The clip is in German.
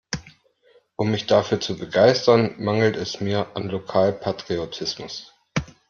Um mich dafür zu begeistern, mangelt es mir an Lokalpatriotismus.